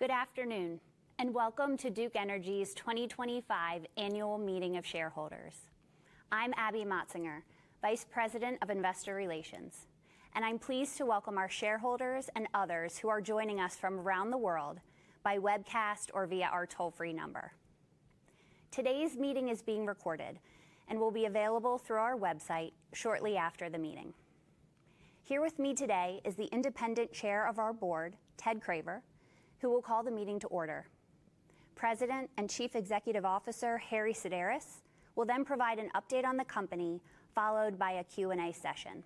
Good afternoon and welcome to Duke Energy's 2025 Annual Meeting of Shareholders. I'm Abby Motsinger, Vice President of Investor Relations, and I'm pleased to welcome our shareholders and others who are joining us from around the world by webcast or via our toll-free number. Today's meeting is being recorded and will be available through our website shortly after the meeting. Here with me today is the independent chair of our board, Ted Craver, who will call the meeting to order. President and Chief Executive Officer Harry Sideris will then provide an update on the company, followed by a Q&A session.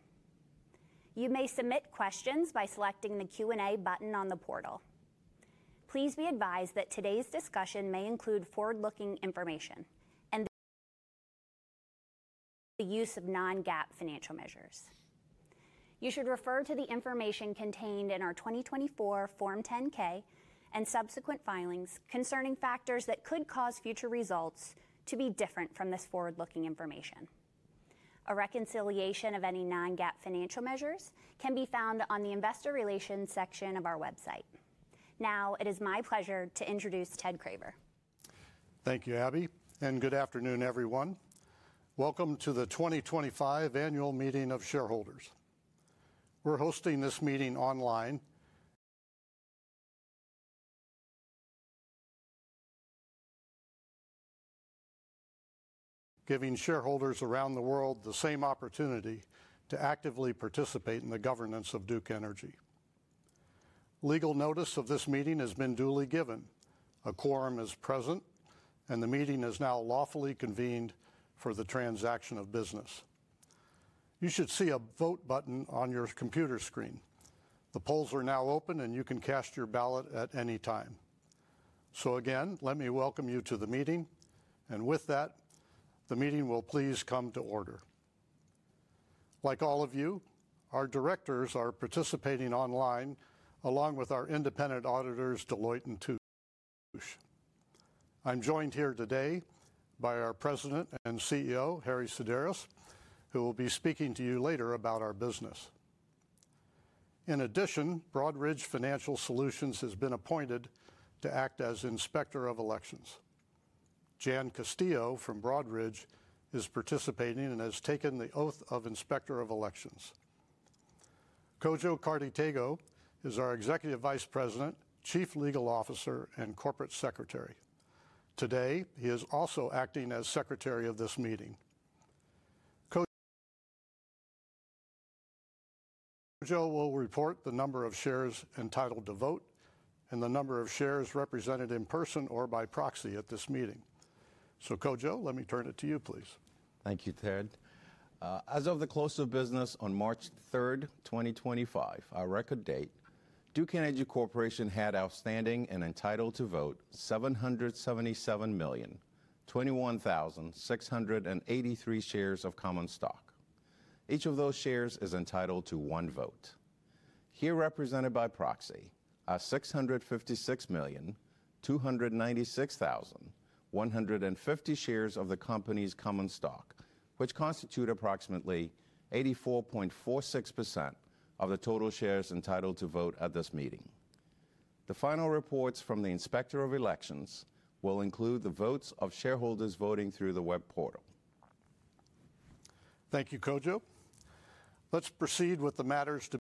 You may submit questions by selecting the Q&A button on the portal. Please be advised that today's discussion may include forward-looking information and the use of non-GAAP financial measures. You should refer to the information contained in our 2024 Form 10-K and subsequent filings concerning factors that could cause future results to be different from this forward-looking information. A reconciliation of any non-GAAP financial measures can be found on the Investor Relations section of our website. Now, it is my pleasure to introduce Ted Craver. Thank you, Abby, and good afternoon, everyone. Welcome to the 2025 Annual Meeting of Shareholders. We're hosting this meeting online, giving shareholders around the world the same opportunity to actively participate in the governance of Duke Energy. Legal notice of this meeting has been duly given. A quorum is present, and the meeting is now lawfully convened for the transaction of business. You should see a vote button on your computer screen. The polls are now open, and you can cast your ballot at any time. Again, let me welcome you to the meeting, and with that, the meeting will please come to order. Like all of you, our directors are participating online, along with our independent auditors, Deloitte & Touche. I'm joined here today by our President and CEO, Harry Sideris, who will be speaking to you later about our business. In addition, Broadridge Financial Solutions has been appointed to act as inspector of elections. Jan Castillo from Broadridge is participating and has taken the oath of inspector of elections. Kodwo Ghartey-Tagoe is our Executive Vice President, Chief Legal Officer, and Corporate Secretary. Today, he is also acting as Secretary of this meeting. Kodwo will report the number of shares entitled to vote and the number of shares represented in person or by proxy at this meeting. Kodwo, let me turn it to you, please. Thank you, Ted. As of the close of business on March 3, 2025, our record date, Duke Energy had outstanding and entitled to vote 777,021,683 shares of common stock. Each of those shares is entitled to one vote. Here represented by proxy, 656,296,150 shares of the company's common stock, which constitute approximately 84.46% of the total shares entitled to vote at this meeting. The final reports from the inspector of elections will include the votes of shareholders voting through the web portal. Thank you, Kodwo. Let's proceed with the matters to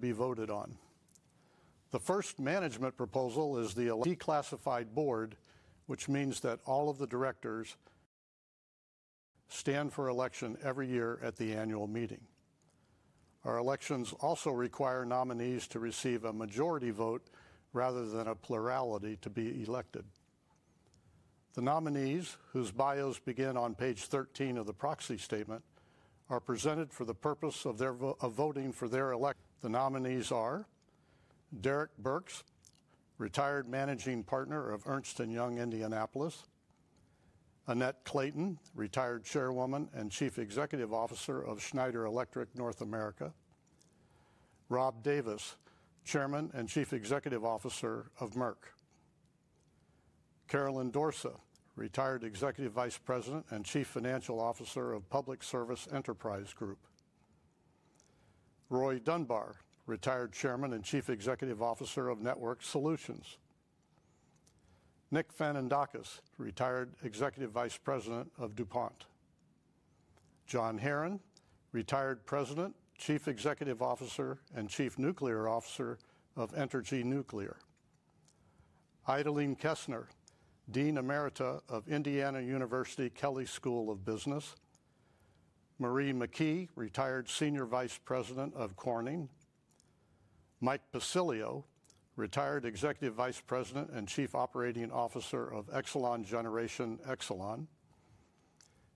be voted on. The first management proposal is the declassified board, which means that all of the directors stand for election every year at the annual meeting. Our elections also require nominees to receive a majority vote rather than a plurality to be elected. The nominees, whose bios begin on page 13 of the proxy statement, are presented for the purpose of voting for their election. The nominees are Derek Burks, retired managing partner of Ernst & Young Indianapolis, Annette Clayton, retired chairwoman and chief executive officer of Schneider Electric North America, Rob Davis, chairman and chief executive officer of Merck, Carolyn Dorsa, retired executive vice president and chief financial officer of Public Service Enterprise Group, Roy Dunbar, retired chairman and chief executive officer of Network Solutions, Nick Fanandakis, retired executive vice president of DuPont, John Herron, retired president, chief executive officer, and chief nuclear officer of Exelon Nuclear, Idalene Kessner, dean emerita of Indiana University Kelley School of Business, Marie McKee, retired senior vice president of Corning, Mike Pacilio, retired executive vice president and chief operating officer of Exelon Generation,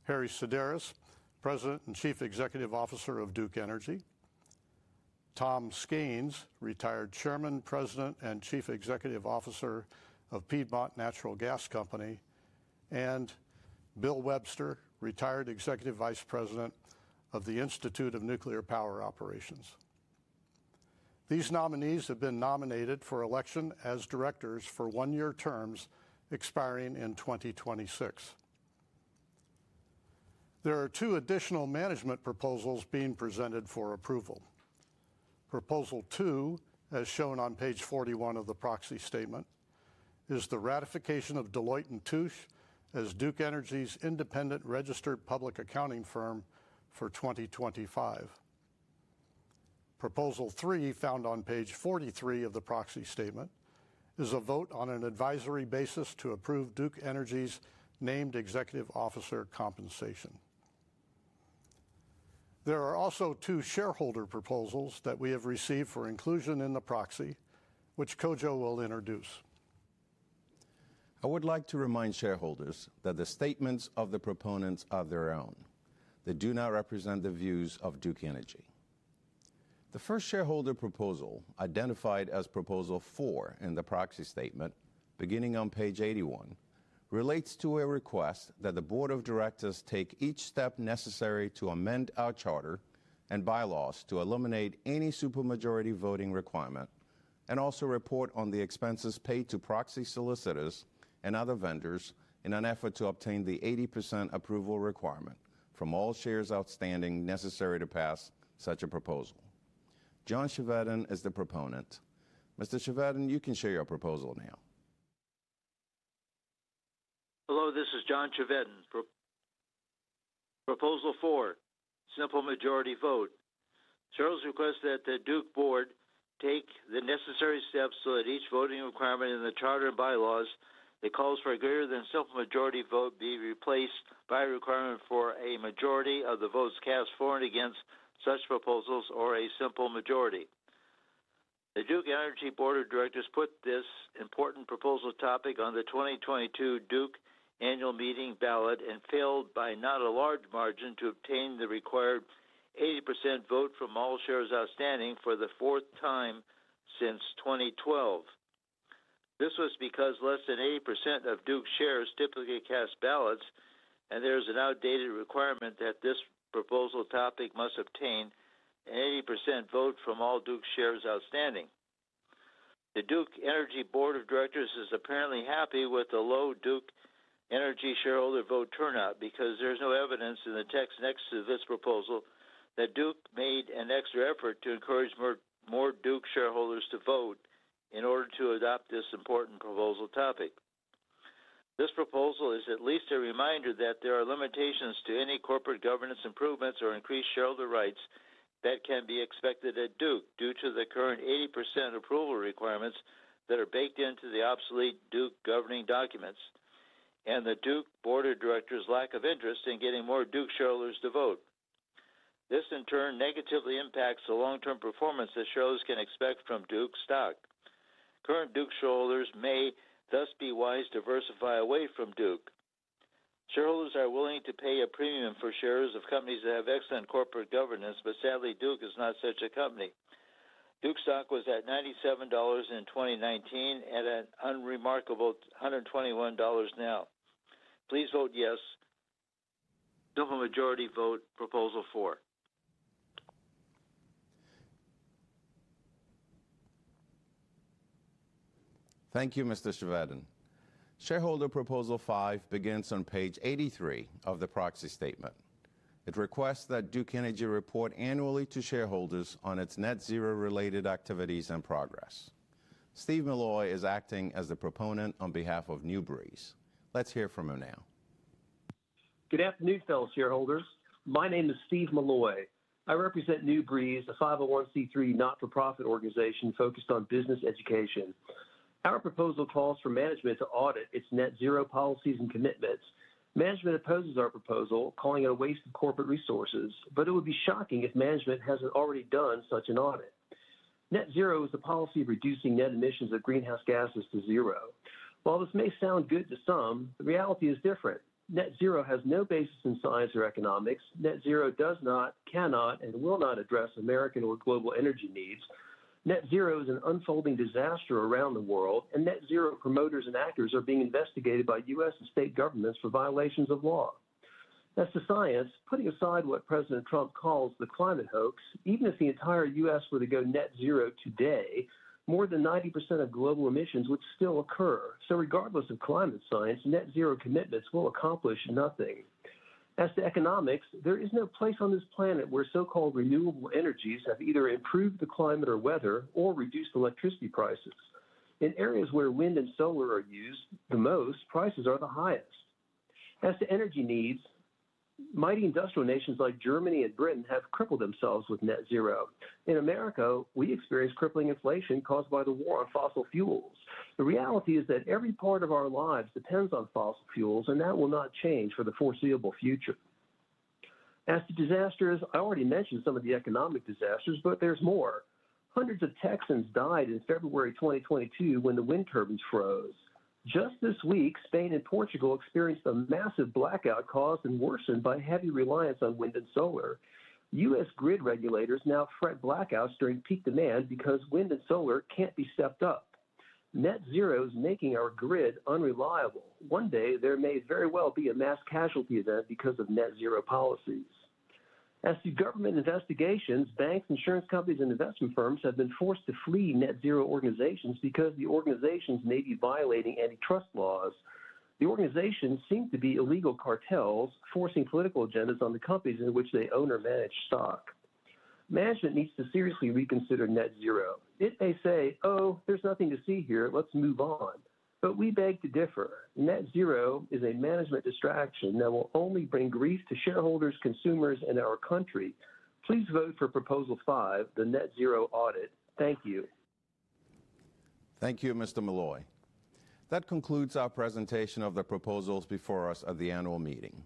Harry Sideris, president and chief executive officer of Duke Energy, Tom Skains, retired chairman, president, and chief executive officer of Piedmont Natural Gas, and Bill Webster, retired executive vice president of the Institute of Nuclear Power Operations. These nominees have been nominated for election as directors for one-year terms expiring in 2026. There are two additional management proposals being presented for approval. Proposal two, as shown on page 41 of the proxy statement, is the ratification of Deloitte & Touche as Duke Energy's independent registered public accounting firm for 2025. Proposal three, found on page 43 of the proxy statement, is a vote on an advisory basis to approve Duke Energy's named executive officer compensation. There are also two shareholder proposals that we have received for inclusion in the proxy, which Kodwo will introduce. I would like to remind shareholders that the statements of the proponents are their own. They do not represent the views of Duke Energy. The first shareholder proposal, identified as Proposal Four in the proxy statement, beginning on page 81, relates to a request that the board of directors take each step necessary to amend our charter and bylaws to eliminate any supermajority voting requirement and also report on the expenses paid to proxy solicitors and other vendors in an effort to obtain the 80% approval requirement from all shares outstanding necessary to pass such a proposal. John Cheverden is the proponent. Mr. Cheverden, you can share your proposal now. Hello, this is John Cheverden. Proposal four, simple majority vote. Charles requests that the Duke board take the necessary steps so that each voting requirement in the charter and bylaws that calls for a greater than simple majority vote be replaced by a requirement for a majority of the votes cast for and against such proposals or a simple majority. The Duke Energy board of directors put this important proposal topic on the 2022 Duke Annual Meeting ballot and failed by not a large margin to obtain the required 80% vote from all shares outstanding for the fourth time since 2012. This was because less than 80% of Duke's shares typically cast ballots, and there is an outdated requirement that this proposal topic must obtain an 80% vote from all Duke's shares outstanding. The Duke Energy board of directors is apparently happy with the low Duke Energy shareholder vote turnout because there is no evidence in the text next to this proposal that Duke made an extra effort to encourage more Duke shareholders to vote in order to adopt this important proposal topic. This proposal is at least a reminder that there are limitations to any corporate governance improvements or increased shareholder rights that can be expected at Duke due to the current 80% approval requirements that are baked into the obsolete Duke governing documents and the Duke board of directors' lack of interest in getting more Duke shareholders to vote. This, in turn, negatively impacts the long-term performance that shareholders can expect from Duke stock. Current Duke shareholders may thus be wise to diversify away from Duke. Shareholders are willing to pay a premium for shares of companies that have excellent corporate governance, but sadly, Duke is not such a company. Duke stock was at $97 in 2019 and at an unremarkable $121 now. Please vote yes, simple majority vote Proposal Four. Thank you, Mr. Cheverden. Shareholder Proposal Five begins on page 83 of the proxy statement. It requests that Duke Energy report annually to shareholders on its net-zero-related activities and progress. Steve Malloy is acting as the proponent on behalf of Newground. Let's hear from him now. Good afternoon, fellow shareholders. My name is Steve Malloy. I represent Newground, a 501(c)(3) not-for-profit organization focused on business education. Our proposal calls for management to audit its net-zero policies and commitments. Management opposes our proposal, calling it a waste of corporate resources, but it would be shocking if management has not already done such an audit. Net-zero is the policy of reducing net emissions of greenhouse gases to zero. While this may sound good to some, the reality is different. Net-zero has no basis in science or economics. Net-zero does not, cannot, and will not address American or global energy needs. Net-zero is an unfolding disaster around the world, and net-zero promoters and actors are being investigated by US and state governments for violations of law. As to science, putting aside what President Trump calls the climate hoax, even if the entire US were to go net-zero today, more than 90% of global emissions would still occur. Regardless of climate science, net-zero commitments will accomplish nothing. As to economics, there is no place on this planet where so-called renewable energies have either improved the climate or weather or reduced electricity prices. In areas where wind and solar are used the most, prices are the highest. As to energy needs, mighty industrial nations like Germany and Britain have crippled themselves with net-zero. In America, we experience crippling inflation caused by the war on fossil fuels. The reality is that every part of our lives depends on fossil fuels, and that will not change for the foreseeable future. As to disasters, I already mentioned some of the economic disasters, but there is more. Hundreds of Texans died in February 2022 when the wind turbines froze. Just this week, Spain and Portugal experienced a massive blackout caused and worsened by heavy reliance on wind and solar.US grid regulators now threat blackouts during peak demand because wind and solar can't be stepped up. Net-zero is making our grid unreliable. One day, there may very well be a mass casualty event because of net-zero policies. As to government investigations, banks, insurance companies, and investment firms have been forced to flee net-zero organizations because the organizations may be violating antitrust laws. The organizations seem to be illegal cartels forcing political agendas on the companies in which they own or manage stock. Management needs to seriously reconsider net-zero. It may say, "Oh, there's nothing to see here. Let's move on." We beg to differ. Net-zero is a management distraction that will only bring grief to shareholders, consumers, and our country. Please vote for Proposal Five, the net-zero audit. Thank you. Thank you, Mr. Malloy. That concludes our presentation of the proposals before us at the annual meeting.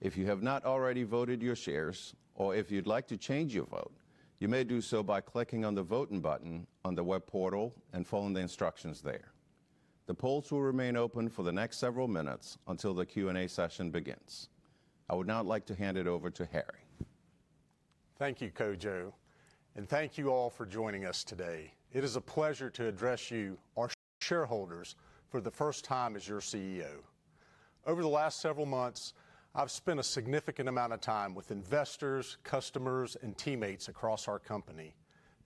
If you have not already voted your shares or if you'd like to change your vote, you may do so by clicking on the Vote-in button on the web portal and following the instructions there. The polls will remain open for the next several minutes until the Q&A session begins. I would now like to hand it over to Harry. Thank you, Kodwo, and thank you all for joining us today. It is a pleasure to address you, our shareholders, for the first time as your CEO. Over the last several months, I've spent a significant amount of time with investors, customers, and teammates across our company,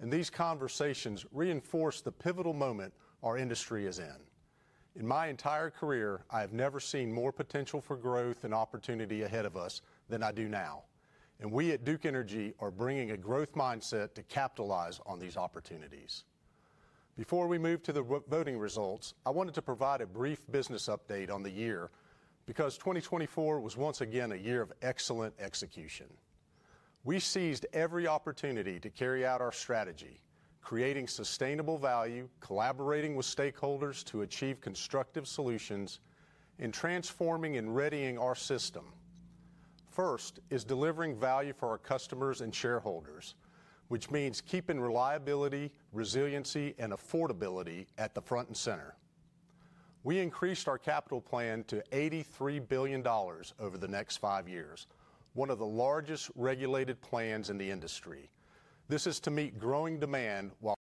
and these conversations reinforce the pivotal moment our industry is in. In my entire career, I have never seen more potential for growth and opportunity ahead of us than I do now, and we at Duke Energy are bringing a growth mindset to capitalize on these opportunities. Before we move to the voting results, I wanted to provide a brief business update on the year because 2024 was once again a year of excellent execution. We seized every opportunity to carry out our strategy, creating sustainable value, collaborating with stakeholders to achieve constructive solutions, and transforming and readying our system. First is delivering value for our customers and shareholders, which means keeping reliability, resiliency, and affordability at the front and center. We increased our capital plan to $83 billion over the next five years, one of the largest regulated plans in the industry. This is to meet growing demand while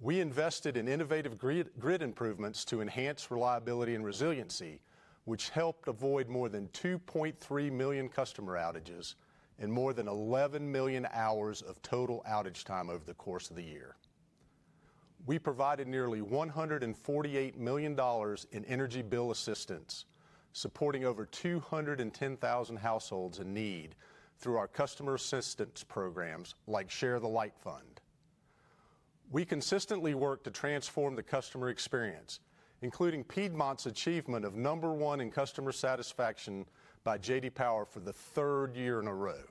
we invested in innovative grid improvements to enhance reliability and resiliency, which helped avoid more than 2.3 million customer outages and more than 11 million hours of total outage time over the course of the year. We provided nearly $148 million in energy bill assistance, supporting over 210,000 households in need through our customer assistance programs like Share the Light Fund. We consistently work to transform the customer experience, including Piedmont's achievement of number one in customer satisfaction by J.D. Power for the third year in a row.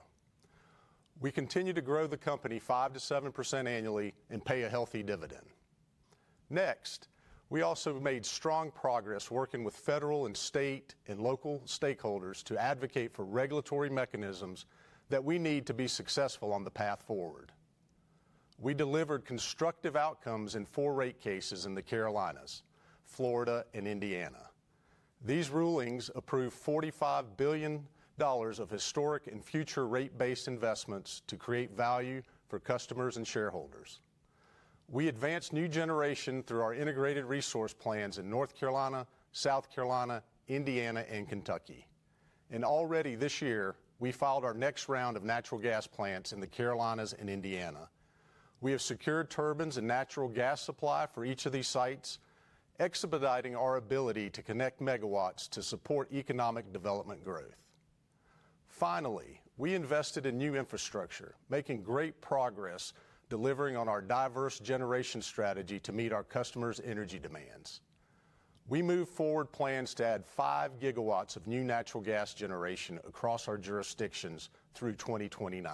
We continue to grow the company 5%-7% annually and pay a healthy dividend. Next, we also made strong progress working with federal and state and local stakeholders to advocate for regulatory mechanisms that we need to be successful on the path forward. We delivered constructive outcomes in four rate cases in the Carolinas, Florida, and Indiana. These rulings approved $45 billion of historic and future rate-based investments to create value for customers and shareholders. We advanced new generation through our integrated resource plans in North Carolina, South Carolina, Indiana, and Kentucky. Already this year, we filed our next round of natural gas plants in the Carolinas and Indiana. We have secured turbines and natural gas supply for each of these sites, expediting our ability to connect megawatts to support economic development growth. Finally, we invested in new infrastructure, making great progress delivering on our diverse generation strategy to meet our customers' energy demands. We moved forward plans to add five gigawatts of new natural gas generation across our jurisdictions through 2029.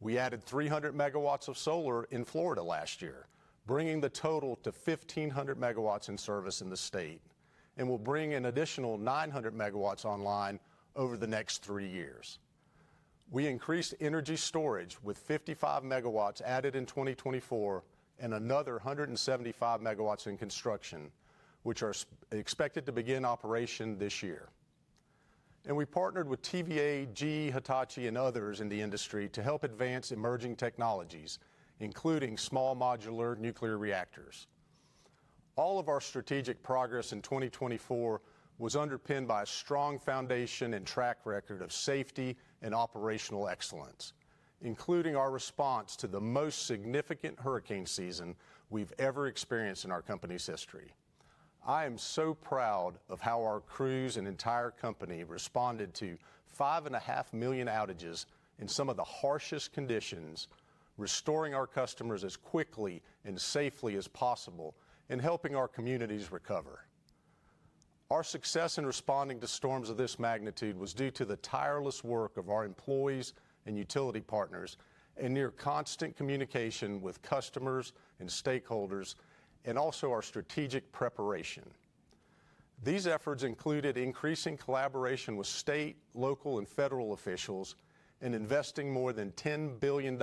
We added 300 megawatts of solar in Florida last year, bringing the total to 1,500 megawatts in service in the state, and will bring an additional 900 megawatts online over the next three years. We increased energy storage with 55 megawatts added in 2024 and another 175 megawatts in construction, which are expected to begin operation this year. We partnered with TVA, GE Hitachi, and others in the industry to help advance emerging technologies, including small modular nuclear reactors. All of our strategic progress in 2024 was underpinned by a strong foundation and track record of safety and operational excellence, including our response to the most significant hurricane season we have ever experienced in our company's history. I am so proud of how our crews and entire company responded to 5.5 million outages in some of the harshest conditions, restoring our customers as quickly and safely as possible and helping our communities recover. Our success in responding to storms of this magnitude was due to the tireless work of our employees and utility partners and near-constant communication with customers and stakeholders, and also our strategic preparation. These efforts included increasing collaboration with state, local, and federal officials and investing more than $10 billion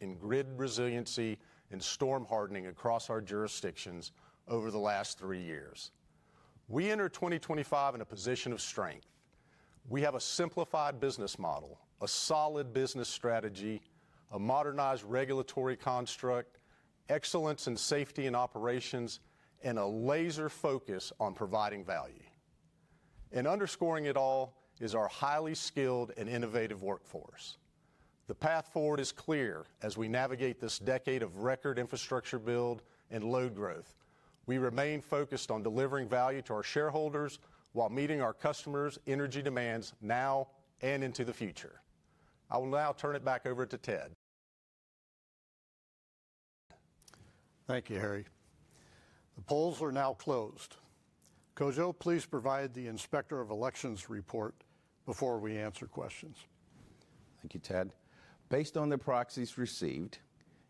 in grid resiliency and storm hardening across our jurisdictions over the last three years. We enter 2025 in a position of strength. We have a simplified business model, a solid business strategy, a modernized regulatory construct, excellence in safety and operations, and a laser focus on providing value. Underscoring it all is our highly skilled and innovative workforce. The path forward is clear as we navigate this decade of record infrastructure build and load growth. We remain focused on delivering value to our shareholders while meeting our customers' energy demands now and into the future. I will now turn it back over to Ted. Thank you, Harry. The polls are now closed. Kodwo, please provide the inspector of elections report before we answer questions. Thank you, Ted. Based on the proxies received,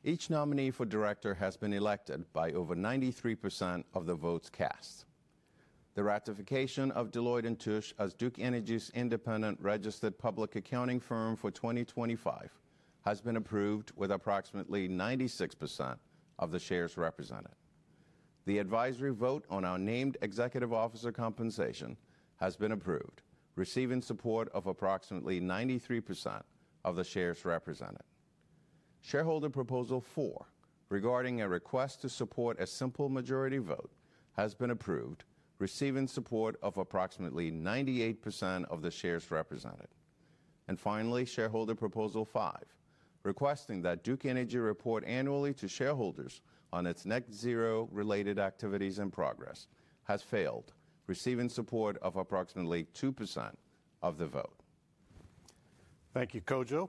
each nominee for director has been elected by over 93% of the votes cast. The ratification of Deloitte & Touche as Duke Energy's independent registered public accounting firm for 2025 has been approved with approximately 96% of the shares represented. The advisory vote on our named executive officer compensation has been approved, receiving support of approximately 93% of the shares represented. Shareholder Proposal Four, regarding a request to support a simple majority vote, has been approved, receiving support of approximately 98% of the shares represented. Finally, Shareholder Proposal Five, requesting that Duke Energy report annually to shareholders on its net-zero-related activities and progress, has failed, receiving support of approximately 2% of the vote. Thank you, Kodwo. The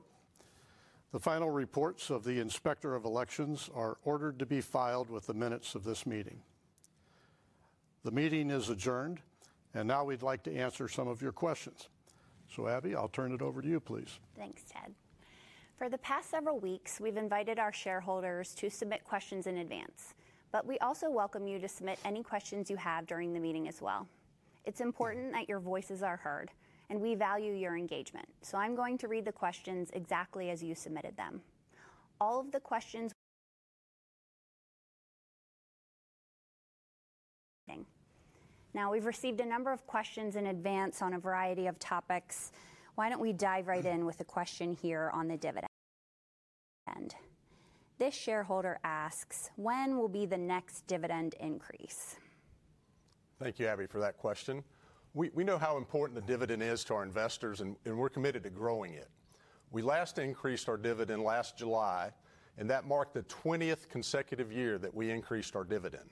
final reports of the inspector of elections are ordered to be filed with the minutes of this meeting. The meeting is adjourned, and now we'd like to answer some of your questions. Abby, I'll turn it over to you, please. Thanks, Ted. For the past several weeks, we've invited our shareholders to submit questions in advance, but we also welcome you to submit any questions you have during the meeting as well. It's important that your voices are heard, and we value your engagement, so I'm going to read the questions exactly as you submitted them. All of the questions. Now, we've received a number of questions in advance on a variety of topics. Why don't we dive right in with a question here on the dividend? This shareholder asks, "When will be the next dividend increase? Thank you, Abby, for that question. We know how important the dividend is to our investors, and we're committed to growing it. We last increased our dividend last July, and that marked the 20th consecutive year that we increased our dividend.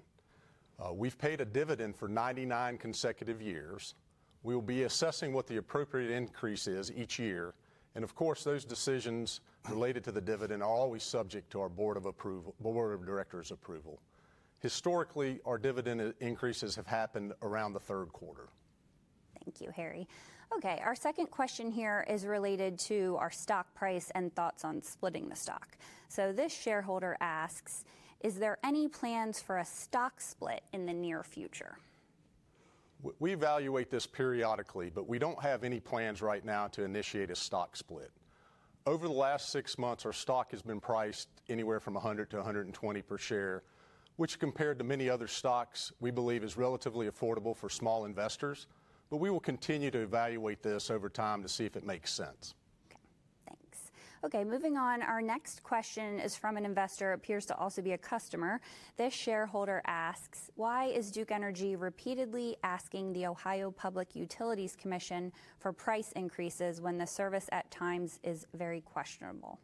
We've paid a dividend for 99 consecutive years. We will be assessing what the appropriate increase is each year, and of course, those decisions related to the dividend are always subject to our board of directors' approval. Historically, our dividend increases have happened around the third quarter. Thank you, Harry. Okay, our second question here is related to our stock price and thoughts on splitting the stock. This shareholder asks, "Is there any plans for a stock split in the near future? We evaluate this periodically, but we don't have any plans right now to initiate a stock split. Over the last six months, our stock has been priced anywhere from $100 to $120 per share, which compared to many other stocks, we believe, is relatively affordable for small investors, but we will continue to evaluate this over time to see if it makes sense. Okay, thanks. Okay, moving on, our next question is from an investor, appears to also be a customer. This shareholder asks, "Why is Duke Energy repeatedly asking the Ohio Public Utilities Commission for price increases when the service at times is very questionable?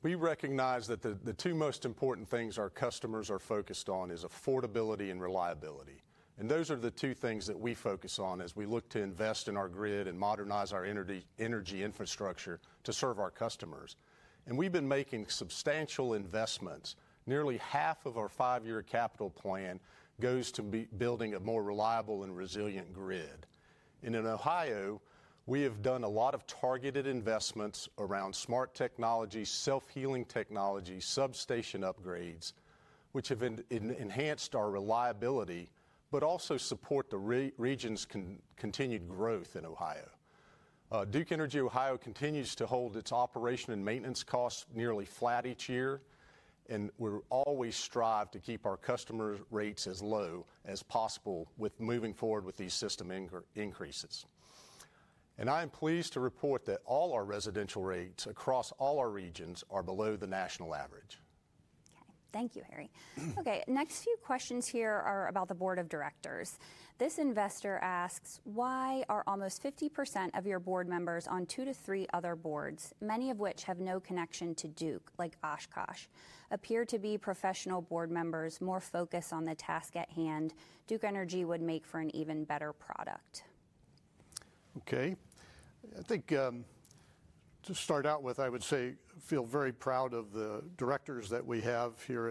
We recognize that the two most important things our customers are focused on are affordability and reliability, and those are the two things that we focus on as we look to invest in our grid and modernize our energy infrastructure to serve our customers. We have been making substantial investments. Nearly half of our five-year capital plan goes to building a more reliable and resilient grid. In Ohio, we have done a lot of targeted investments around smart technology, self-healing technology, substation upgrades, which have enhanced our reliability, but also support the region's continued growth in Ohio. Duke Energy Ohio continues to hold its operation and maintenance costs nearly flat each year, and we always strive to keep our customer rates as low as possible with moving forward with these system increases. I am pleased to report that all our residential rates across all our regions are below the national average. Okay, thank you, Harry. Okay, next few questions here are about the board of directors. This investor asks, "Why are almost 50% of your board members on two to three other boards, many of which have no connection to Duke, like Oshkosh, appear to be professional board members more focused on the task at hand Duke Energy would make for an even better product? Okay, I think to start out with, I would say I feel very proud of the directors that we have here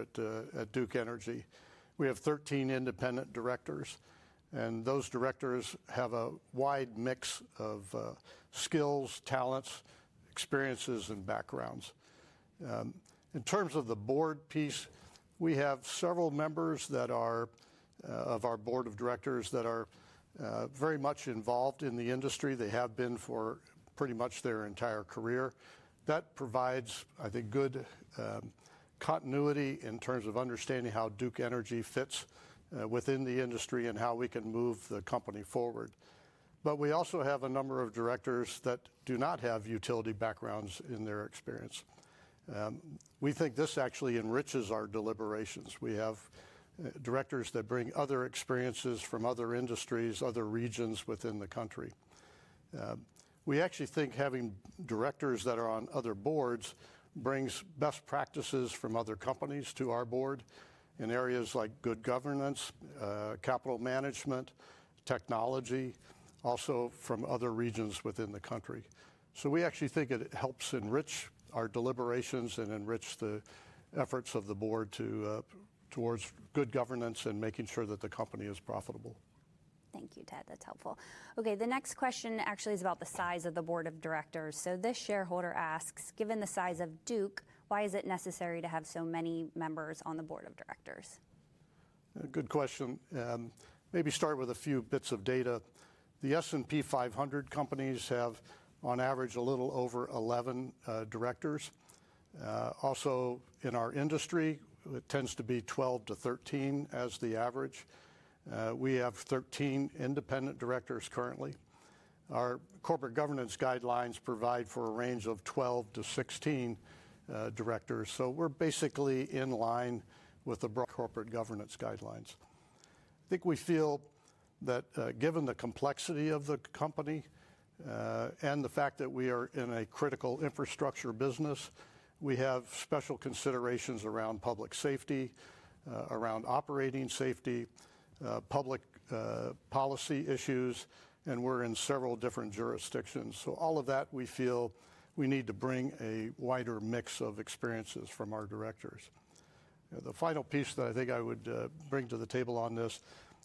at Duke Energy. We have 13 independent directors, and those directors have a wide mix of skills, talents, experiences, and backgrounds. In terms of the board piece, we have several members of our board of directors that are very much involved in the industry. They have been for pretty much their entire career. That provides, I think, good continuity in terms of understanding how Duke Energy fits within the industry and how we can move the company forward. We also have a number of directors that do not have utility backgrounds in their experience. We think this actually enriches our deliberations. We have directors that bring other experiences from other industries, other regions within the country. We actually think having directors that are on other boards brings best practices from other companies to our board in areas like good governance, capital management, technology, also from other regions within the country. We actually think it helps enrich our deliberations and enrich the efforts of the board towards good governance and making sure that the company is profitable. Thank you, Ted. That's helpful. Okay, the next question actually is about the size of the board of directors. This shareholder asks, "Given the size of Duke, why is it necessary to have so many members on the board of directors? Good question. Maybe start with a few bits of data. The S&P 500 companies have, on average, a little over 11 directors. Also, in our industry, it tends to be 12 to 13 as the average. We have 13 independent directors currently. Our corporate governance guidelines provide for a range of 12 to 16 directors, so we're basically in line with the corporate governance guidelines. I think we feel that given the complexity of the company and the fact that we are in a critical infrastructure business, we have special considerations around public safety, around operating safety, public policy issues, and we're in several different jurisdictions. All of that, we feel we need to bring a wider mix of experiences from our directors. The final piece that I think I would bring to the table on this,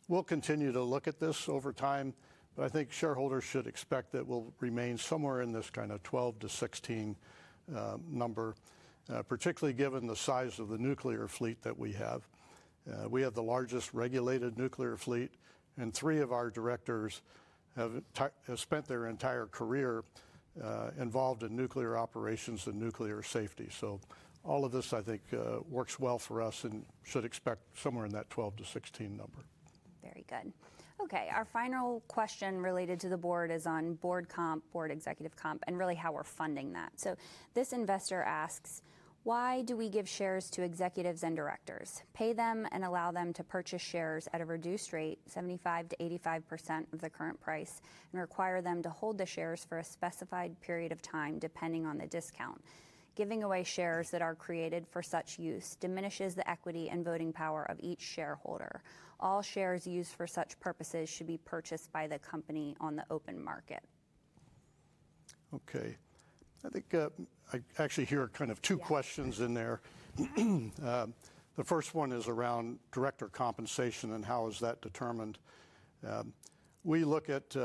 we'll continue to look at this over time, but I think shareholders should expect that we'll remain somewhere in this kind of 12 to16 number, particularly given the size of the nuclear fleet that we have. We have the largest regulated nuclear fleet, and three of our directors have spent their entire career involved in nuclear operations and nuclear safety. All of this, I think, works well for us and should expect somewhere in that 12 to 16 number. Very good. Okay, our final question related to the board is on board comp, board executive comp, and really how we're funding that. This investor asks, "Why do we give shares to executives and directors, pay them and allow them to purchase shares at a reduced rate, 75% to 85% of the current price, and require them to hold the shares for a specified period of time depending on the discount? Giving away shares that are created for such use diminishes the equity and voting power of each shareholder. All shares used for such purposes should be purchased by the company on the open market. Okay, I think I actually hear kind of two questions in there. The first one is around director compensation and how is that determined. We look at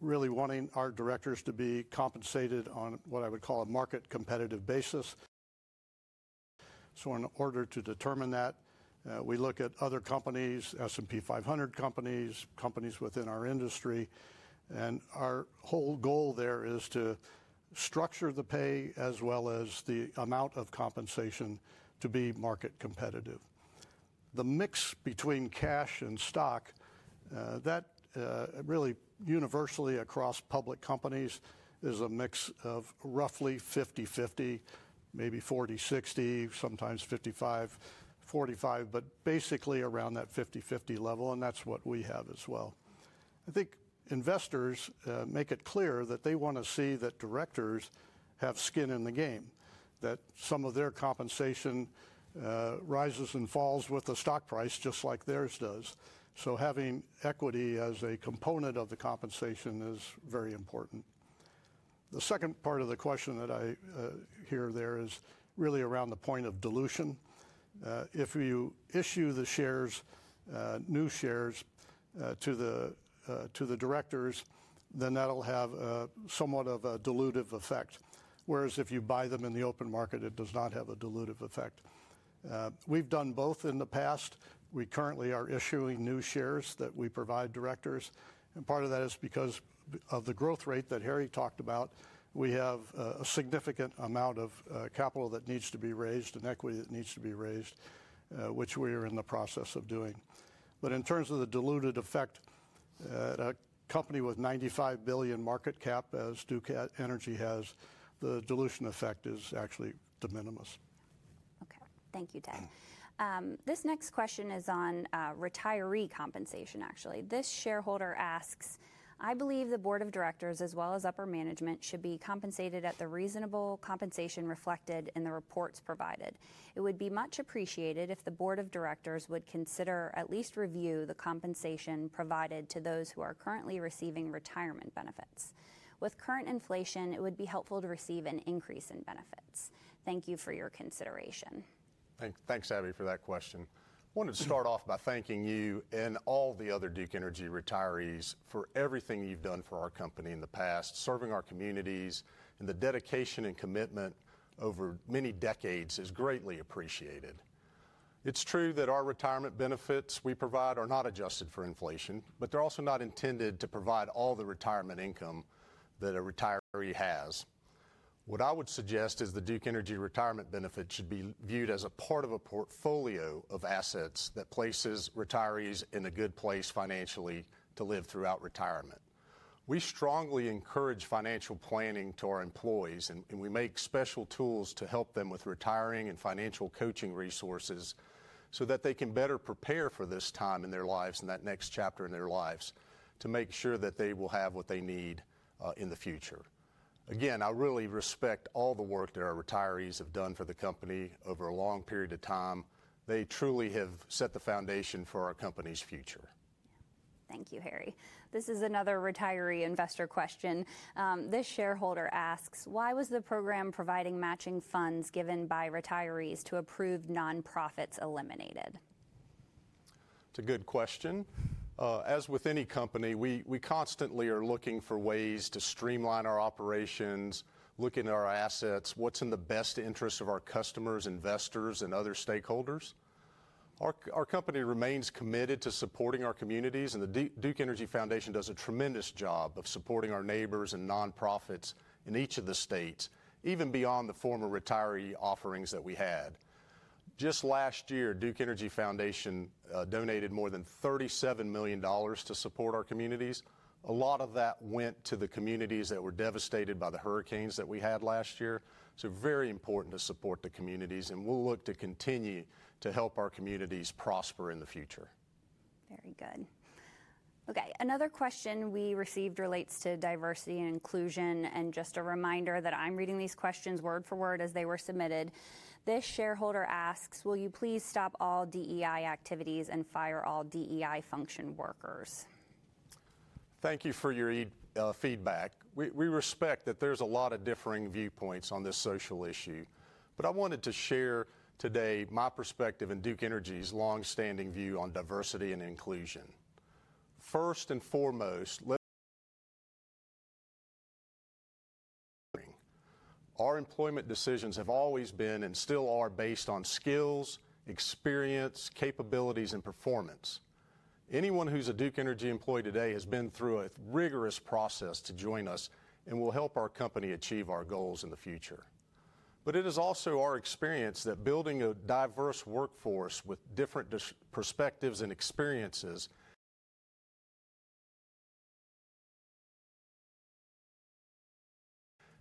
really wanting our directors to be compensated on what I would call a market competitive basis. In order to determine that, we look at other companies, S&P 500 companies, companies within our industry, and our whole goal there is to structure the pay as well as the amount of compensation to be market competitive. The mix between cash and stock, that really universally across public companies is a mix of roughly 50/50, maybe 40/60, sometimes 55/45, but basically around that 50/50 level, and that's what we have as well. I think investors make it clear that they want to see that directors have skin in the game, that some of their compensation rises and falls with the stock price just like theirs does. Having equity as a component of the compensation is very important. The second part of the question that I hear there is really around the point of dilution. If you issue the shares, new shares to the directors, then that'll have somewhat of a dilutive effect, whereas if you buy them in the open market, it does not have a dilutive effect. We've done both in the past. We currently are issuing new shares that we provide directors, and part of that is because of the growth rate that Harry talked about. We have a significant amount of capital that needs to be raised and equity that needs to be raised, which we are in the process of doing. In terms of the diluted effect, a company with $95 billion market cap, as Duke Energy has, the dilution effect is actually de minimis. Okay, thank you, Ted. This next question is on retiree compensation, actually. This shareholder asks, "I believe the board of directors as well as upper management should be compensated at the reasonable compensation reflected in the reports provided. It would be much appreciated if the board of directors would consider at least review the compensation provided to those who are currently receiving retirement benefits. With current inflation, it would be helpful to receive an increase in benefits. Thank you for your consideration. Thanks, Abby, for that question. I wanted to start off by thanking you and all the other Duke Energy retirees for everything you've done for our company in the past, serving our communities, and the dedication and commitment over many decades is greatly appreciated. It's true that our retirement benefits we provide are not adjusted for inflation, but they're also not intended to provide all the retirement income that a retiree has. What I would suggest is the Duke Energy retirement benefit should be viewed as a part of a portfolio of assets that places retirees in a good place financially to live throughout retirement. We strongly encourage financial planning to our employees, and we make special tools to help them with retiring and financial coaching resources so that they can better prepare for this time in their lives and that next chapter in their lives to make sure that they will have what they need in the future. Again, I really respect all the work that our retirees have done for the company over a long period of time. They truly have set the foundation for our company's future. Thank you, Harry. This is another retiree investor question. This shareholder asks, "Why was the program providing matching funds given by retirees to approved nonprofits eliminated? It's a good question. As with any company, we constantly are looking for ways to streamline our operations, looking at our assets, what's in the best interest of our customers, investors, and other stakeholders. Our company remains committed to supporting our communities, and the Duke Energy Foundation does a tremendous job of supporting our neighbors and nonprofits in each of the states, even beyond the former retiree offerings that we had. Just last year, Duke Energy Foundation donated more than $37 million to support our communities. A lot of that went to the communities that were devastated by the hurricanes that we had last year. Very important to support the communities, and we'll look to continue to help our communities prosper in the future. Very good. Okay, another question we received relates to diversity and inclusion, and just a reminder that I'm reading these questions word for word as they were submitted. This shareholder asks, "Will you please stop all DEI activities and fire all DEI function workers? Thank you for your feedback. We respect that there's a lot of differing viewpoints on this social issue, but I wanted to share today my perspective and Duke Energy's longstanding view on diversity and inclusion. First and foremost, our employment decisions have always been and still are based on skills, experience, capabilities, and performance. Anyone who's a Duke Energy employee today has been through a rigorous process to join us and will help our company achieve our goals in the future. It is also our experience that building a diverse workforce with different perspectives and experiences,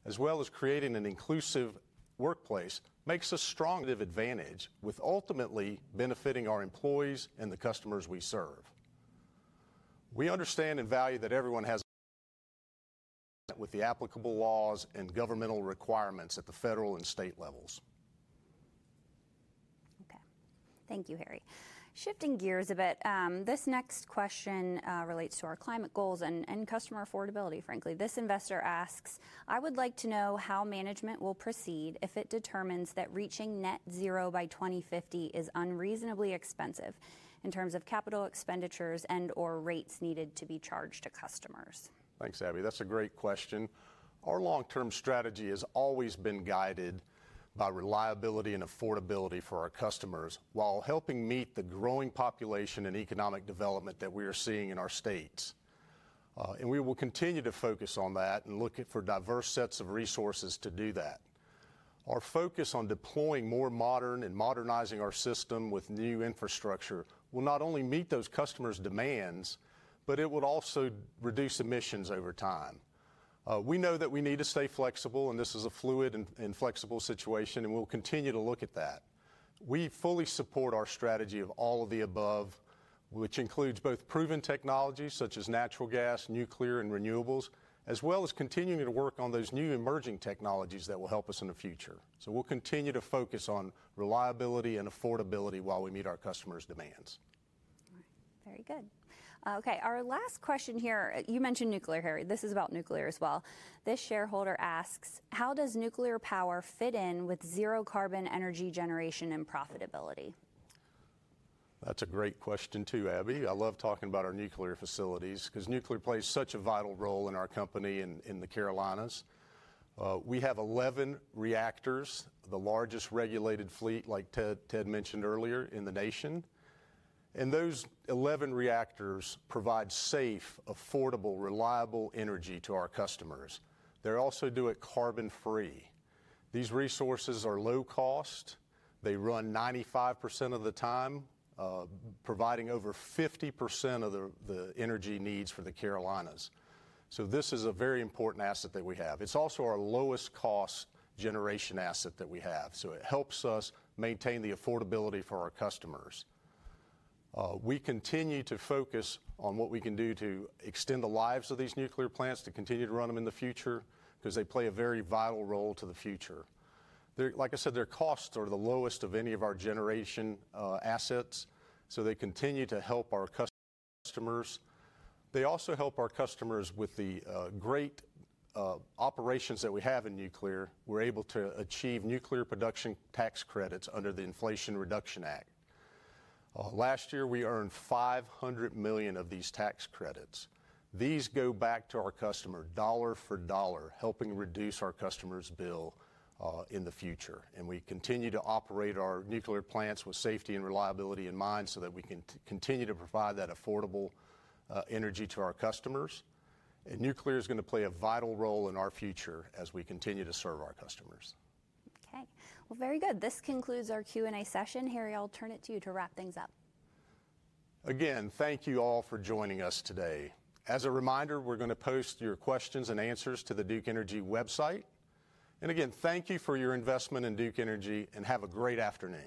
as well as creating an inclusive workplace, makes a strong advantage, ultimately benefiting our employees and the customers we serve. We understand and value that everyone has with the applicable laws and governmental requirements at the federal and state levels. Okay, thank you, Harry. Shifting gears a bit, this next question relates to our climate goals and customer affordability, frankly. This investor asks, "I would like to know how management will proceed if it determines that reaching net zero by 2050 is unreasonably expensive in terms of capital expenditures and/or rates needed to be charged to customers? Thanks, Abby. That's a great question. Our long-term strategy has always been guided by reliability and affordability for our customers while helping meet the growing population and economic development that we are seeing in our states. We will continue to focus on that and look for diverse sets of resources to do that. Our focus on deploying more modern and modernizing our system with new infrastructure will not only meet those customers' demands, but it would also reduce emissions over time. We know that we need to stay flexible, and this is a fluid and flexible situation, and we'll continue to look at that. We fully support our strategy of all of the above, which includes both proven technologies such as natural gas, nuclear, and renewables, as well as continuing to work on those new emerging technologies that will help us in the future. We will continue to focus on reliability and affordability while we meet our customers' demands. All right, very good. Okay, our last question here, you mentioned nuclear, Harry. This is about nuclear as well. This shareholder asks, "How does nuclear power fit in with zero-carbon energy generation and profitability? That's a great question too, Abby. I love talking about our nuclear facilities because nuclear plays such a vital role in our company and in the Carolinas. We have 11 reactors, the largest regulated fleet, like Ted mentioned earlier, in the nation. Those 11 reactors provide safe, affordable, reliable energy to our customers. They also do it carbon-free. These resources are low cost. They run 95% of the time, providing over 50% of the energy needs for the Carolinas. This is a very important asset that we have. It's also our lowest cost generation asset that we have, so it helps us maintain the affordability for our customers. We continue to focus on what we can do to extend the lives of these nuclear plants to continue to run them in the future because they play a very vital role to the future. Like I said, their costs are the lowest of any of our generation assets, so they continue to help our customers. They also help our customers with the great operations that we have in nuclear. We're able to achieve nuclear production tax credits under the Inflation Reduction Act. Last year, we earned $500 million of these tax credits. These go back to our customer dollar for dollar, helping reduce our customers' bill in the future. We continue to operate our nuclear plants with safety and reliability in mind so that we can continue to provide that affordable energy to our customers. Nuclear is going to play a vital role in our future as we continue to serve our customers. Okay, very good. This concludes our Q&A session. Harry, I'll turn it to you to wrap things up. Again, thank you all for joining us today. As a reminder, we're going to post your questions and answers to the Duke Energy website. Again, thank you for your investment in Duke Energy, and have a great afternoon.